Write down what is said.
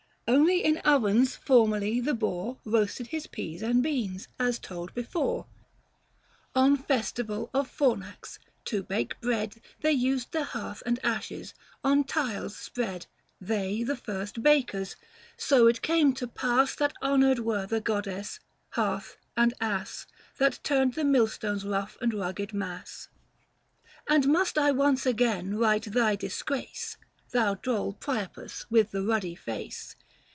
Only in ovens formerly the boor Boasted his peas and beans, as told before, Book VI. THE FASTI. 187 On festival of Fornax ; to bake bread 375 They used the hearth and ashes, on tiles spread. They the first bakers : so it came to pass That honoured were the goddess, hearth, and ass That turned the millstone's rough and rugged mass. And must I once again write thy disgrace, 380 Thou droll Priapus with the ruddy face